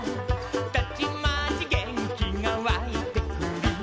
「たちまち元気がわいてくる」